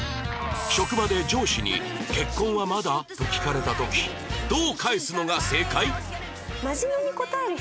職場で上司に「結婚はまだ？」と聞かれた時どう返すのが正解？